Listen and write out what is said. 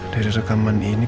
dari rekaman ini